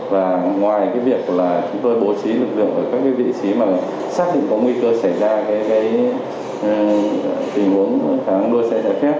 và ngoài việc chúng tôi bố trí lực lượng ở các vị trí xác định có nguy cơ xảy ra tình huống đua xe trái phép